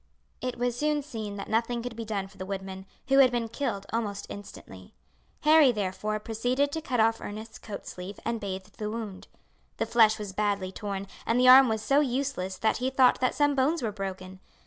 It was soon seen that nothing could be done for the woodman, who had been killed almost instantly. Harry, therefore, proceeded to cut off Ernest's coat sleeve and bathed the wound. The flesh was badly torn, and the arm was so useless that he thought that some bones were broken.